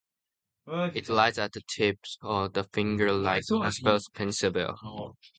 It lies at the tip of the finger-like Karpass Peninsula.